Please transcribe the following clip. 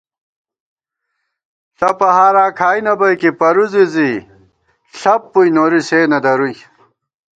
ݪپہ ہاراں کھائی نہ بئیکے پرُوزی زی ݪپ بُوئی نوری سے نہ درُوئی